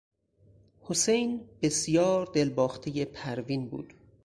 حسین بسیار دلباختهی پروین بود.